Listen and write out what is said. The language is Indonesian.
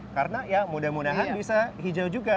karena ya mudah mudahan bisa hijau juga